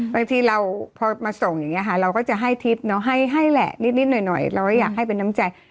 บางทีเราพอมาส่งอย่างนี้ค่ะเราก็จะให้ทริปให้แหละนิดหน่อยเราก็อยากให้เป็นน้ำใจ